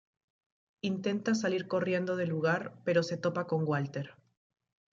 Intenta salir corriendo del lugar, pero se topa con Walter.